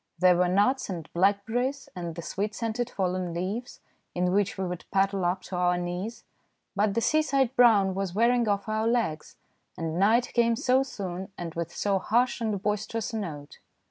There were nuts and blackberries, and the sweet scented fallen leaves, in which we would paddle up to our knees. But the sea side brown was wearing off our legs, and night came so soon and with so harsh and 52 THE DAY BEFORE YESTERDAY boisterous a note.